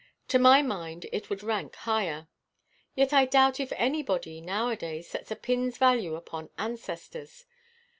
To my mind it would rank higher. Yet I doubt if anybody nowadays sets a pin's value upon ancestors.